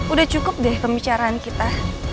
udah cukup deh pembicaraan kita